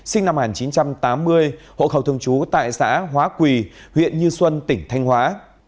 sinh năm một nghìn chín trăm tám mươi hộ khẩu thường trú tại xã hóa quỳ huyện như xuân tỉnh thanh hóa